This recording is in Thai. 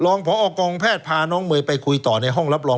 พอกองแพทย์พาน้องเมย์ไปคุยต่อในห้องรับรอง